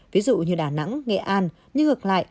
ví dụ như đà nẵng nghệ an như ngược lại